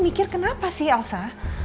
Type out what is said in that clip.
mikir kenapa sih elsa